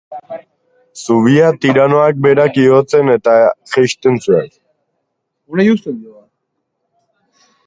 Zubia tiranoak berak igotzen eta jaisten zuen.